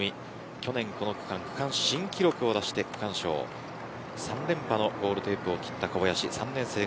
去年この区間区間新記録を出して区間賞３連覇のゴールテープを切った小林。